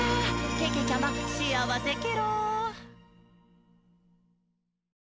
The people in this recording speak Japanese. けけちゃま、しあわせケロ！」